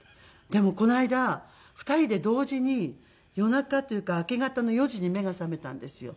でもこの間２人で同時に夜中というか明け方の４時に目が覚めたんですよ。